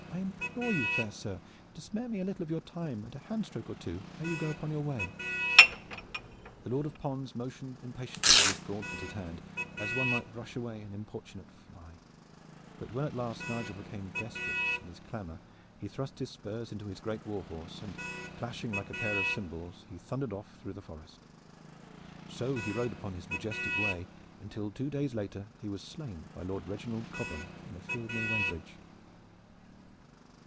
I implore you, fair sir, to spare me a little of your time and a handstroke or two ere you go upon your way!" Lord de Pons motioned impatiently with his gauntleted hand, as one might brush away an importunate fly, but when at last Nigel became desperate in his clamor he thrust his spurs into his great war horse, and clashing like a pair of cymbals he thundered off through the forest. So he rode upon his majestic way, until two days later he was slain by Lord Reginald Cobham in a field near Weybridge.